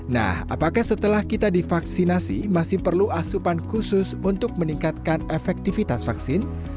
nah apakah setelah kita divaksinasi masih perlu asupan khusus untuk meningkatkan efektivitas vaksin